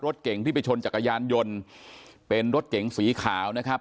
เก่งที่ไปชนจักรยานยนต์เป็นรถเก๋งสีขาวนะครับ